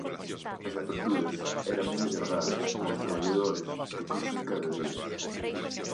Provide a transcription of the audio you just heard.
As aperturas eran moi agardadas polos traballadores que cruzan cada día.